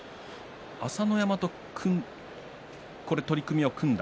朝乃山と取組を組んだ